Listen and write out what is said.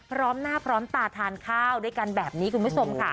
พร้อมหน้าพร้อมตาทานข้าวด้วยกันแบบนี้คุณผู้ชมค่ะ